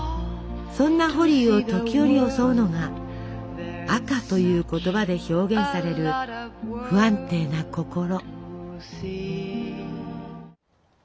そんなホリーを時折襲うのが「赤」という言葉で表現される不安定な心。